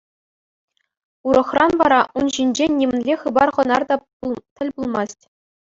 Урӑхран вара ун ҫинчен нимӗнле хыпар-хӑнар та тӗл пулмасть.